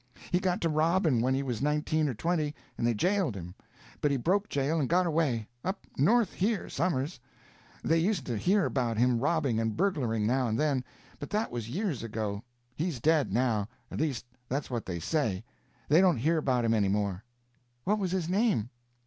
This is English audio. He got to robbing when he was nineteen or twenty, and they jailed him; but he broke jail and got away—up North here, somers. They used to hear about him robbing and burglaring now and then, but that was years ago. He's dead, now. At least that's what they say. They don't hear about him any more." "What was his name?"